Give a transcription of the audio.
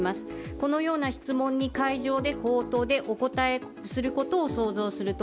このような質問に会場で口頭でお答えすることを想像すると